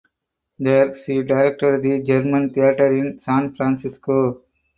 There she directed the German Theatre in San Francisco.